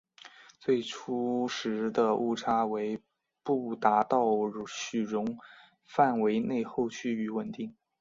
最初时的误差为不达到许容范围内后趋于稳定。